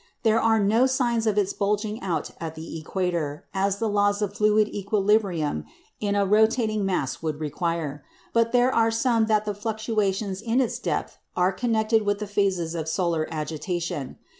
There are no signs of its bulging out at the equator, as the laws of fluid equilibrium in a rotating mass would require; but there are some that the fluctuations in its depth are connected with the phases of solar agitation.